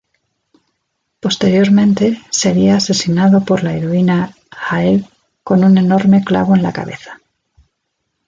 Posteriormente sería asesinado por la heroína Jael con un enorme clavo en la cabeza.